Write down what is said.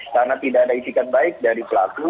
karena tidak ada isikan baik dari pelaku